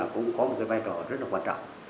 cũng có một vai trò rất là quan trọng